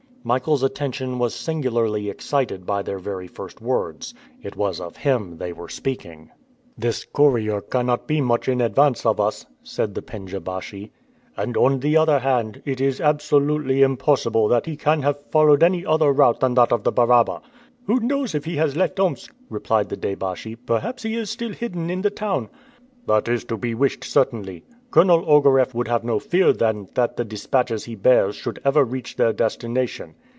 Michael's attention was singularly excited by their very first words. It was of him they were speaking. "This courier cannot be much in advance of us," said the pendja baschi; "and, on the other hand, it is absolutely impossible that he can have followed any other route than that of the Baraba." "Who knows if he has left Omsk?" replied the deh baschi. "Perhaps he is still hidden in the town." "That is to be wished, certainly. Colonel Ogareff would have no fear then that the dispatches he bears should ever reach their destination."